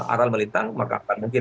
aral melintang maka akan mungkin